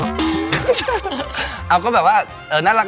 เอาก็แบบว่าน่ารัก